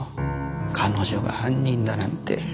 彼女が犯人だなんて。